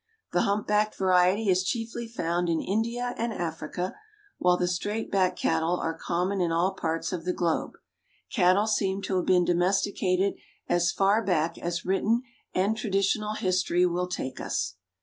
The hump backed variety is chiefly found in India and Africa, while the straight backed cattle are common in all parts of the globe. Cattle seem to have been domesticated as far back as written and traditional history will take us.